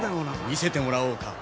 見せてもらおうか。